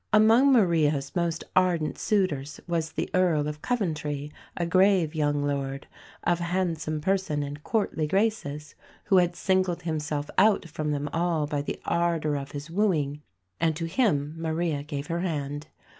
Among Maria's most ardent suitors was the Earl of Coventry, "a grave young lord" of handsome person and courtly graces, who had singled himself out from them all by the ardour of his wooing; and to him Maria gave her hand.